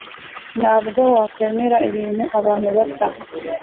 Ntabwo wakwemera ibintu abantu bata